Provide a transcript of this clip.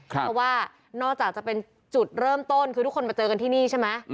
เพราะว่านอกจากจะเป็นจุดเริ่มต้นคือทุกคนมาเจอกันที่นี่ใช่ไหม